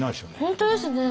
本当ですね。